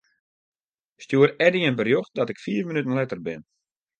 Stjoer Eddy in berjocht dat ik fiif minuten letter bin.